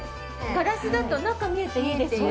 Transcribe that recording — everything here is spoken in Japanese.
ガラスだと中見えていいですね。